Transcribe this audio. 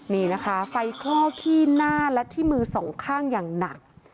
นี่นะคะไฟคลอกที่หน้าและที่มือสองข้างอย่างหนัก